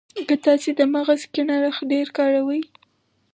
که تاسې د مغز کڼ اړخ ډېر کاروئ.